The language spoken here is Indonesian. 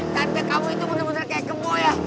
tante kamu itu bener bener kayak kemul ya